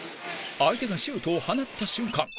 相手がシュートを放った瞬間